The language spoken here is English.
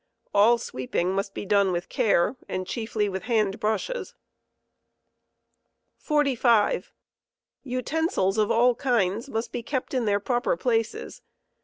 All sweeping must be done with care, and chiefly with hand brushes. ^ piMefor uten. 45. Utensils of all kinds must be kept in their proper places.